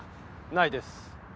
ないです。